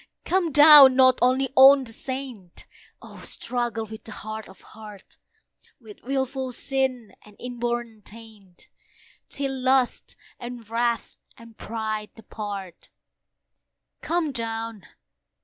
Come down! not only on the saint, Oh! struggle with the hard of heart, With wilful sin and inborn taint, Till lust, and wrath, and pride depart. Come down!